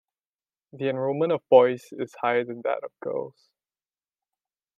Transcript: The enrollment of boys is higher than that of girls.